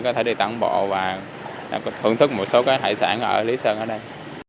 có thể đi tản bộ và thưởng thức một số hải sản ở lý sơn ở đây